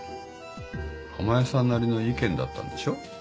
浜谷さんなりの意見だったんでしょ。